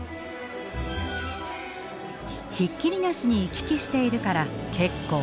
ひっきりなしに行き来しているから結構便利。